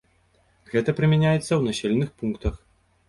Гэта прымяняецца ў населеных пунктах.